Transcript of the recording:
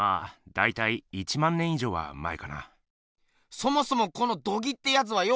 そもそもこの土器ってヤツはよ